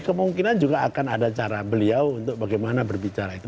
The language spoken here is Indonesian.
kemungkinan juga akan ada cara beliau untuk bagaimana berbicara itu